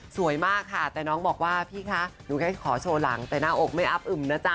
สวยมากค่ะแต่น้องบอกว่าพี่คะหนูแค่ขอโชว์หลังแต่หน้าอกไม่อับอึมนะจ๊